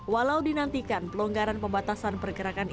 walau dinantikan pelonggaran pembatasan pergerakan ini